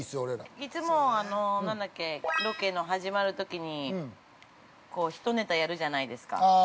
◆いつも、何だっけロケの始まるときにひとネタやるじゃないですか。